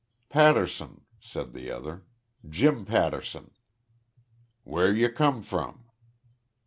"Patterson," said the other. "Jim Patterson." "Whar you come from?"